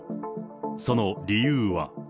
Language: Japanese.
その理由は。